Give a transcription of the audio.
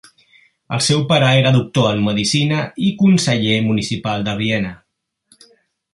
El seu pare era doctor en medicina i conseller municipal de Viena.